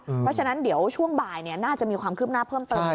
เพราะฉะนั้นเดี๋ยวช่วงบ่ายน่าจะมีความคืบหน้าเพิ่มเติม